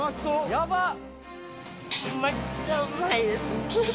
「やばっ！」